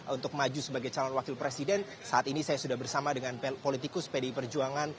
untuk maju sebagai calon wakil presiden saat ini saya sudah bersama dengan politikus pdi perjuangan